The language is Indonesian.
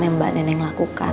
yang mbak nenek lakukan